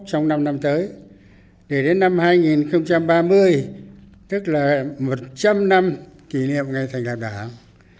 trong năm năm tới để đến năm hai nghìn ba mươi tức là một trăm linh năm kỷ niệm ngày thành lập đảng